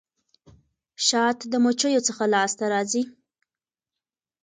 شات د مچيو څخه لاسته راځي.